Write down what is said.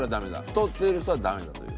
太っている人はダメだという。